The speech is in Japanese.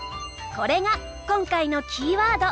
これが今回のキーワード。